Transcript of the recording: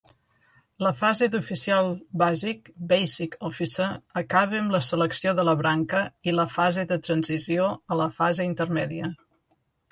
La fase d'oficial bàsic (Basic Officer) acaba amb la selecció de la branca i la fase de transició a la fase intermèdia.